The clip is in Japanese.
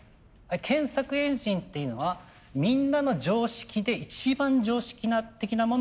検索エンジンっていうのはみんなの常識で一番常識的なものを出すようになってます。